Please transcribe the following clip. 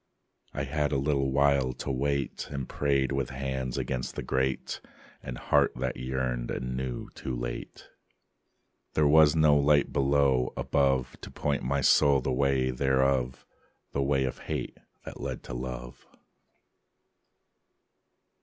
I had a little while to wait; And prayed with hands against the grate, And heart that yearned and knew too late. There was no light below, above, To point my soul the way thereof, The way of hate that led to love.